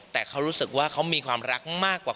แต่เขารู้สึกว่าเขามีความรักมากกว่า